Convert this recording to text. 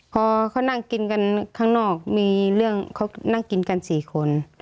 พอเขานั่งกินกันข้างนอกมีเรื่องเขานั่งกินกัน๔คน